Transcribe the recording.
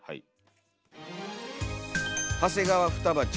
はい。